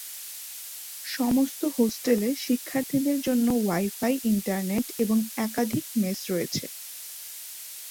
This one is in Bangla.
সমস্ত হোস্টেলে শিক্ষার্থীদের জন্য ওয়াই-ফাই ইন্টারনেট এবং একাধিক মেস রয়েছে।